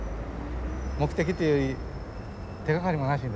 目的というより手がかりもなしにですね